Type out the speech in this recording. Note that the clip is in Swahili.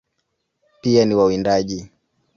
Pia ni wawindaji.